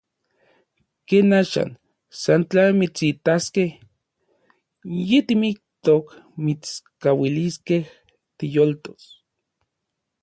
Ken axan, san tla mitsitaskej yitimiktok mitskauiliskej tiyoltos.